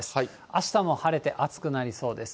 あしたも晴れて暑くなりそうです。